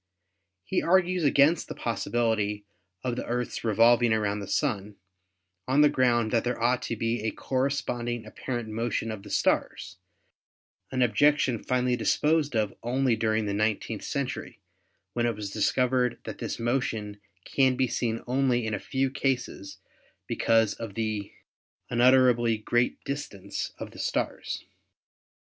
He argued against the possibility of the Earth's revolving around the Sun on the ground that there ought to be a corresponding apparent motion of the stars, an objection finally disposed of only during the nineteenth century, when it was discovered that this motion can be seen only in a few cases because of the unutterably great distance of the stars.